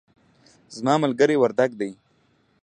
زما ملګری وردګ دی